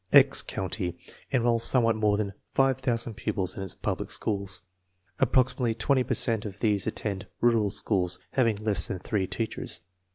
1 "X" County enrolls somewhat more than five thousand pupils in its public schools. Approximately twenty per cent of these attend rural schools having less than three teachers.